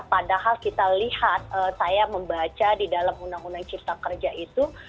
padahal kita lihat saya membaca di dalam undang undang cipta kerja itu